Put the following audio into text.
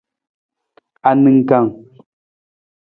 Aningkang.